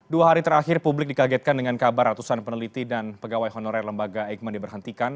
dua hari terakhir publik dikagetkan dengan kabar ratusan peneliti dan pegawai honorer lembaga eijkman diberhentikan